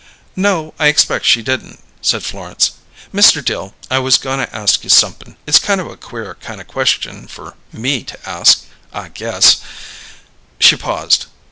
"No, I expect she didn't," said Florence. "Mr. Dill, I was goin' to ask you somep'n it's kind of a queer kind of question for me to ask, I guess " She paused.